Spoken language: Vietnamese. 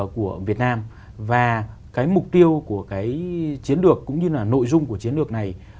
của việt nam và cái mục tiêu của cái chiến lược cũng như là nội dung của chiến lược này